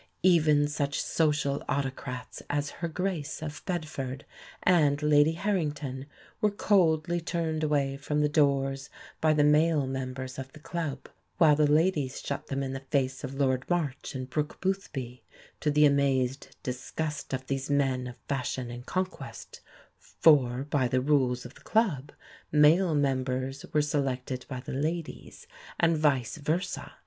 Even such social autocrats as Her Grace of Bedford and Lady Harrington were coldly turned away from the doors by the male members of the club; while the ladies shut them in the face of Lord March and Brook Boothby, to the amazed disgust of these men of fashion and conquest for, by the rules of the club, male members were selected by the ladies, and vice versâ.